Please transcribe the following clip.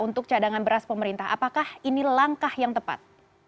untuk cadangan beras pemerintah apakah ini langkah yang tepat